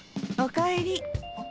おかえり。